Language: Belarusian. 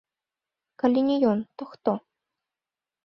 Калі не ён, то хто?